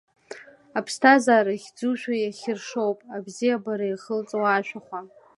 Аԥсҭазаара хьӡушәа иахьыршоуп абзиабара иахылҵуа ашәахәа!